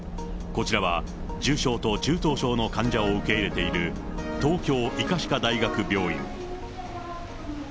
こちらは重症と中等症の患者を受け入れている東京医科歯科大学病院。